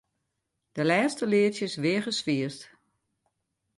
De lêste leadsjes weage swierst.